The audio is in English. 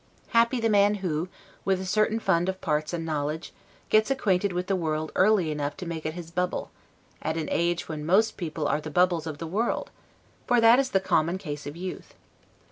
Happy the man, who, with a certain fund of parts and knowledge, gets acquainted with the world early enough to make it his bubble, at an age when most people are the bubbles of the world! for that is the common case of youth.